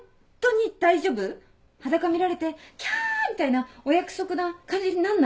裸見られて「キャ」みたいなお約束な感じになんない？